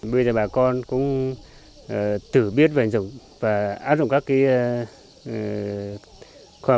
bây giờ bà con cũng tử biết và áp dụng các khoa học